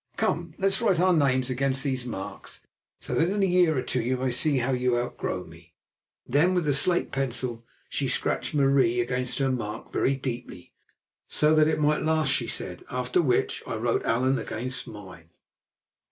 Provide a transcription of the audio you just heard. Come, let us write our names against these marks, so that in a year or two you may see how you outgrow me." Then with the slate pencil she scratched "Marie" against her mark very deeply, so that it might last, she said; after which I wrote "Allan" against mine.